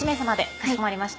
かしこまりました。